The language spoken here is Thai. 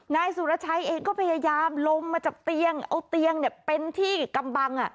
นายสุรชัยเองก็พยายามลงมาจากเตียงเอาเตียงเป็นที่กำบัง